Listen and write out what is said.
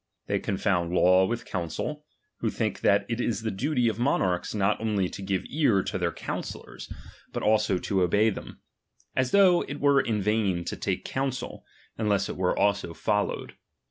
They confound law with counsel, who think that it is the duty of monarchs not only to give ear to their counsellors, but also to obey them ; as though it were in vain to take counsel, unless it were also followed.